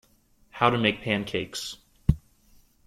How to make pancakes.